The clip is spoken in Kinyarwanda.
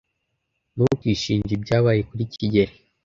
Ntukishinje ibyabaye kuri kigeli.